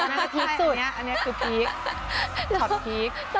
ใช่ใช่อันนี้อันนี้คือพีคช็อตพีค